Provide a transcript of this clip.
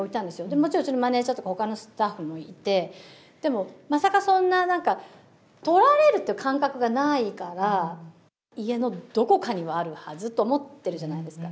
もちろんマネージャーとかほかのスタッフもいて、でも、まさかそんななんか、とられるという感覚がないから、家のどこかにはあるはずと思ってるじゃないですか、